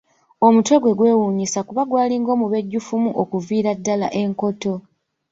Omutwe gwe gwewuunyisa kuba gwalinga omubejjufumu okuviira ddala enkoto.